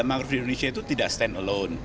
mangrove di indonesia itu tidak stand alone